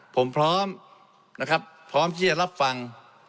ผมพร้อมนะครับพร้อมที่จะรับฟัง